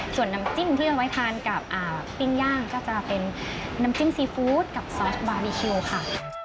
ส่วนน้ำจิ้มที่จะไว้ทานกับปิ้งย่างก็จะเป็นน้ำจิ้มซีฟู้ดกับซอสบาร์บีคิวค่ะ